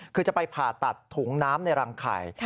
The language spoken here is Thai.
คือจะไปผ่าตัดถุงน้ำในรังไข่